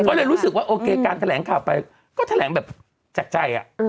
เขาเลยรู้สึกว่าโอเคการแถลงกลับไปก็แถลงแบบจากใจอ่ะ